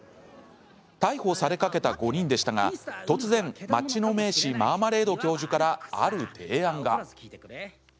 逮捕されかけた５人でしたが突然、町の名士マーマレード教授からある提案が。